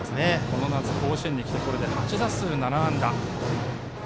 この夏、甲子園に来て８打数７安打。